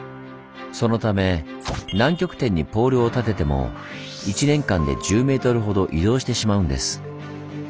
そのため南極点にポールを立てても１年間で１０ｍほど移動してしまうんです。